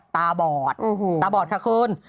ตาบอดตาบอดขาขึ้น